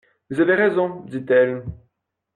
Vous avez raison, dit-elle.